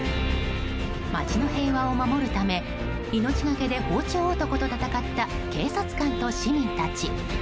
街の平和を守るため命がけで包丁男と戦った警察官と市民たち。